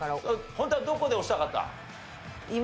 ホントはどこで押したかった？